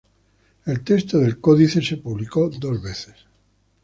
El texto del códice se publicó dos veces.